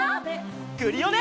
クリオネ！